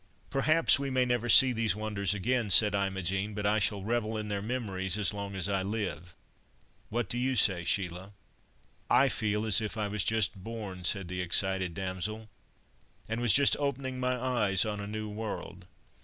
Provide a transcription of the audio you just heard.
"Perhaps we may never see these wonders again," said Imogen. "But I shall revel in their memories as long as I live. What do you say, Sheila?" "I feel as if I was just born," said the excited damsel, "and was just opening my eyes on a new world.